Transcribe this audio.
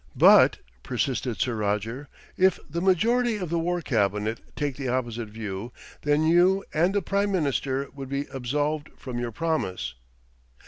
"But," persisted Sir Roger, "if the majority of the War Cabinet take the opposite view, then you and the Prime Minister would be absolved from your promise."